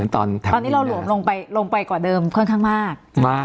ตอนนี้เราหลวมลงไปลงไปกว่าเดิมค่อนข้างมาก